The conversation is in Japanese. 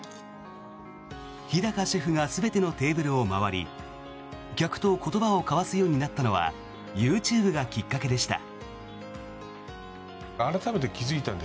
日高シェフが全てのテーブルを回り客と言葉を交わすようになったのはＹｏｕＴｕｂｅがきっかけでした。